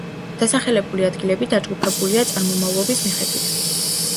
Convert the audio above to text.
დასახლებული ადგილები დაჯგუფებულია წარმომავლობის მიხედვით.